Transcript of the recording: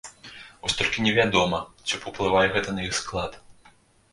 Вось толькі невядома, ці паўплывае гэта на іх склад.